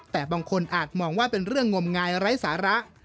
แต่บางคนอาจมองว่าเป็นเรื่องงมงายไร้สาระ